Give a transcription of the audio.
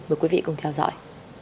mời quý vị cùng theo dõi